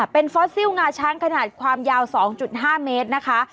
เป็นฟอสซิ่งงาช้างขนาดความยาว๒๕เมตรนะคะ